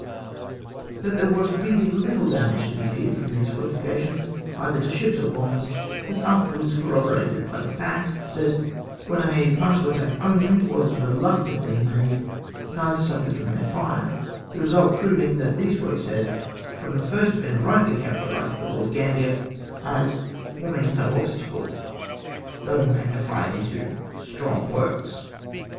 That there was really httle damage to be feared from these fortifications, either to sliips or bombs, was after wards corroborated by the fact, that when a partial attack only was reluctantly made, neither suffered from their fire, the result proving that these works had from the first been rightly characterised by Lord Gambier as '■^forming no obstacle,'' though magnified into " strong works."